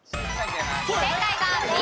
正解はＢ。